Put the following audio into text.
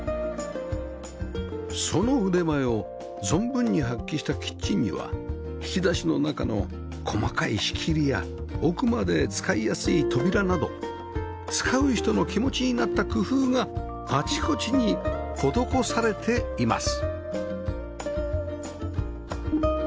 その腕前を存分に発揮したキッチンには引き出しの中の細かい仕切りや奥まで使いやすい扉など使う人の気持ちになった工夫があちこちに施されています